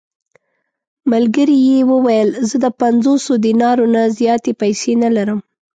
ملګري یې وویل: زه د پنځوسو دینارو نه زیاتې پېسې نه لرم.